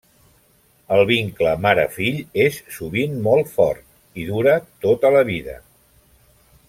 El vincle mare-fill és sovint molt fort, i dura tota la vida.